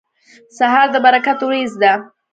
سهار د برکت وریځ ده.